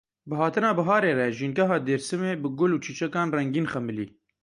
Bi hatina biharê re jîngeha Dêrsimê bi gul û çîçekên rengîn xemilî.